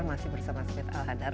masih bersama smith alhadar